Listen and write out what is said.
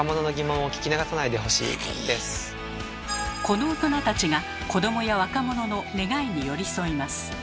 この大人たちが子どもや若者の願いに寄り添います。